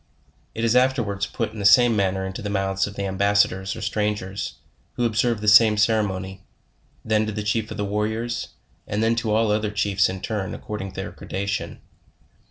It is afterwards put in the same manner into the mouths of the ambassadors or strangers, who observe the same cer emony, then to the chief of the warriors, and to all the oth er chiefs in turn, according to their gradation.